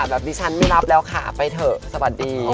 แบบนี้ฉันไม่รับแล้วค่ะไปเถอะสวัสดี